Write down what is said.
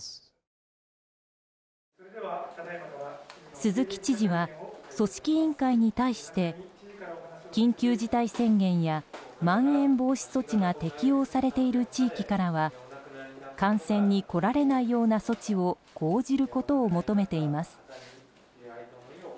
鈴木知事は組織委員会に対して緊急事態宣言やまん延防止措置が適用されている地域からは観戦に来られないような措置を講じることを求めています。